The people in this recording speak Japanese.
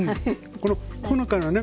このほのかなね